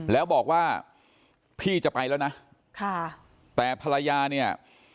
แล้วบอกว่าพี่จะไปแล้วนะค่ะแต่ภรรยาเนี่ย